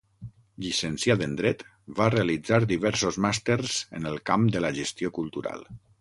Llicenciat en dret, va realitzar diversos màsters en el camp de la gestió cultural.